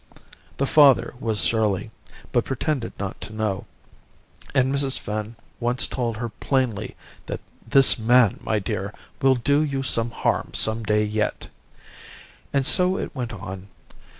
The father was surly, but pretended not to know; and Mrs. Finn once told her plainly that 'this man, my dear, will do you some harm some day yet.' And so it went on.